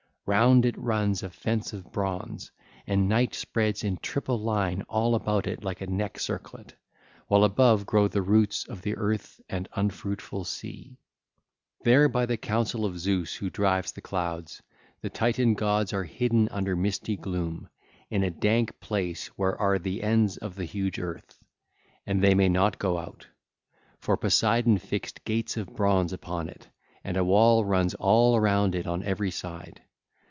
Round it runs a fence of bronze, and night spreads in triple line all about it like a neck circlet, while above grow the roots of the earth and unfruitful sea. There by the counsel of Zeus who drives the clouds the Titan gods are hidden under misty gloom, in a dank place where are the ends of the huge earth. And they may not go out; for Poseidon fixed gates of bronze upon it, and a wall runs all round it on every side.